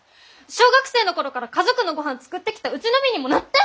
小学生の頃から家族のごはん作ってきたうちの身にもなって！